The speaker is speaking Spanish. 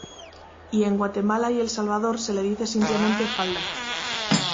Y en Guatemala y El Salvador se le dice simplemente falda.